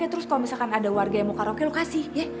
terus kalau misalkan ada warga yang mau karaoke lokasi ya